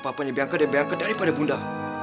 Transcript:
papanya bianca dan bianca daripada bunda